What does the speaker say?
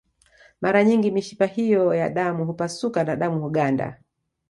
Mara nyingi mishipa hiyo ya damu hupasuka na damu huganda